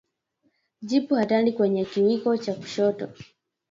Jipu hatari kwenye kiwiko cha kushoto